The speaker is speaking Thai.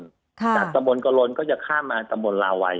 จากตำบลกะลนก็จะข้ามมาตำบลลาวัย